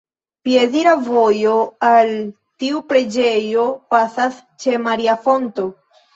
Piedira vojo al tiu preĝejo pasas ĉe "maria fonto".